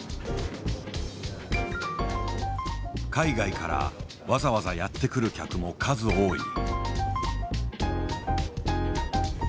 海外からわざわざやって来る客も数多い。